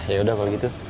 yaudah kalau gitu